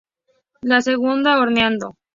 La segunda horneado.